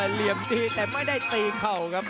เหลี่ยมตีแต่ไม่ได้ตีเข่าครับ